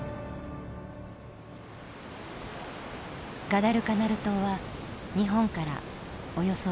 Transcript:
ガダルカナル島は日本からおよそ６，０００ｋｍ。